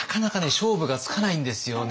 勝負がつかないんですよね。